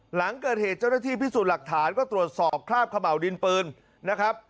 หลังเกิดเหตุเจ้าหน้าที่พิสูจน์หลักฐานก็ตรวจสอบคราบขม่าวดินปืนนะครับ